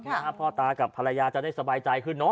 เพราะว่าพ่อตากับภรรยาจะได้สบายใจขึ้นเนอะ